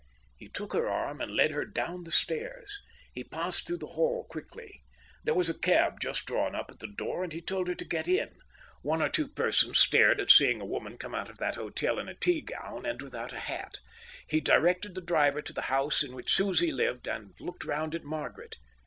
He took her arm and led her down the stairs. He passed through the hall quickly. There was a cab just drawn up at the door, and he told her to get in. One or two persons stared at seeing a woman come out of that hotel in a teagown and without a hat. He directed the driver to the house in which Susie lived and looked round at Margaret.